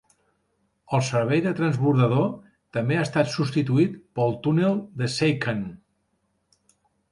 El servei de transbordador també ha estat substituït pel túnel de Seikan.